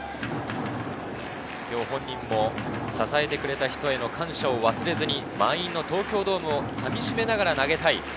今日、本人も支えてくれた人への感謝を忘れずに、満員の東京ドームをかみしめながら投げたい。